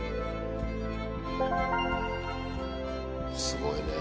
すごいね。